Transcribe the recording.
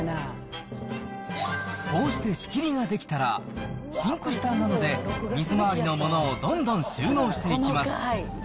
こうして仕切りが出来たら、シンク下には、水回りのものをどんどん収納していきます。